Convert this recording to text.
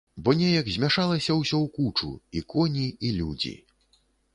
Бо неяк змяшалася ўсё ў кучу, і коні, і людзі.